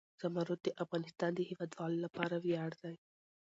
زمرد د افغانستان د هیوادوالو لپاره ویاړ دی.